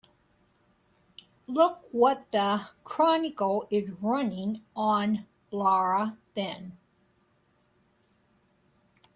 Look what the Chronicle is running on Laura Ben.